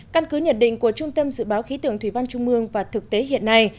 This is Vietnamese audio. căn cứ nhận định của trung tâm dự báo khí tượng thủy văn trung mương và thực tế hiện nay